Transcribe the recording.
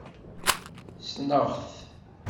Ssneɣ-t.